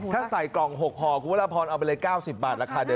ถ้าใส่กล่อง๖ห่อคุณพระราพรเอาไปเลย๙๐บาทราคาเดียว